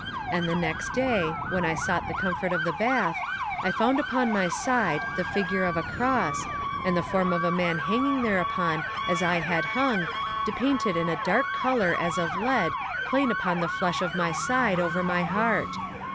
And the next day, when I sought the comfort of the bath, I found upon my side the figure of a cross, and the form of a man hanging thereupon as I had hung, depainted in a dark colour as of lead plain upon the flesh of my side over my heart.